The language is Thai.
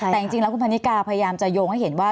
แต่จริงแล้วคุณพันนิกาพยายามจะโยงให้เห็นว่า